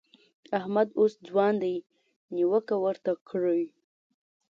احمد اوس ځوان دی؛ نيوکه ورته کړئ.